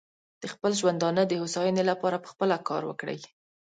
د خپل ژوندانه د هوساینې لپاره پخپله کار وکړي.